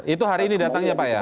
itu hari ini datangnya pak ya